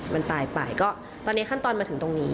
มันตายไปก็ตอนนี้ขั้นตอนมาถึงตรงนี้